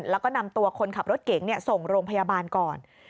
แล้วก็นำตัวคนขับรถเก๋งส่งโรงพยาบาลก่อน